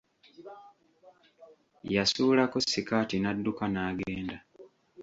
Yasuulako sikaati n'adduka n'agenda.